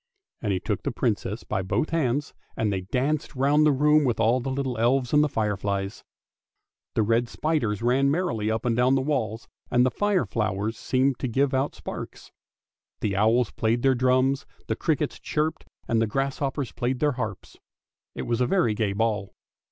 " And he took the Princess by both hands and they danced round the room with all the little elves and the fireflies. The red spiders ran merrily up and down the walls, and the fire flowers seemed to give out sparks. The owls played their drums, the crickets chirped, and the grasshoppers played their harps. It was a very gay ball.